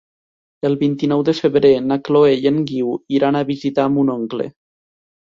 El vint-i-nou de febrer na Chloé i en Guiu iran a visitar mon oncle.